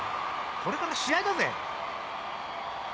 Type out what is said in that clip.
これから試合だぜ。